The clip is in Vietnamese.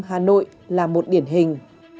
hà nội là một điển hình